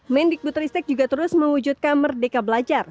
mendik butristek juga terus mewujudkan merdeka belajar